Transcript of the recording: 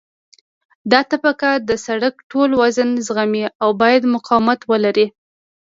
دا طبقه د سرک ټول وزن زغمي او باید مقاومت ولري